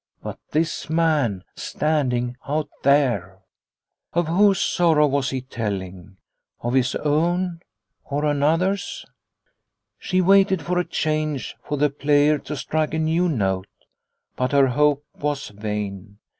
But this man standing out there ! Of whose sorrow was he telling of his own or another's ? She waited for a change, for the player to strike a new note, but her hope was vain.